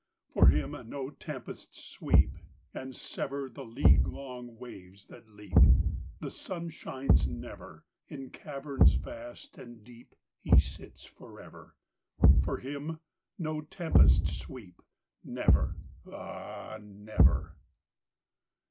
For him no tempests sweep And sever The league long waves that leap; The sun shines never: In caverns vast and deep He sits forever. For him no tempests sweep, Never, ah, never.